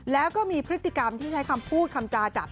แล้วก็มีพฤติกรรมที่ใช้คำพูดคำจาจับ